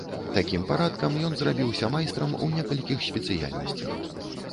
Такім парадкам ён зрабіўся майстрам у некалькіх спецыяльнасцях.